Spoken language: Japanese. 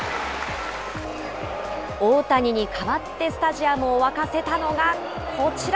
大谷に代わってスタジアムを沸かせたのがこちら。